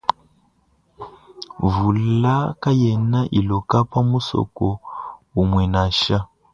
Mvula kayena iloka pa musoko umue nansha.